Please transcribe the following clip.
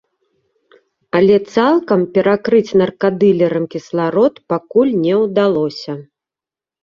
Але цалкам перакрыць наркадылерам кісларод пакуль не ўдалося.